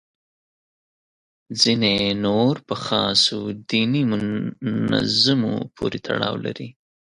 ځینې نور په خاصو دیني منظومو پورې تړاو لري.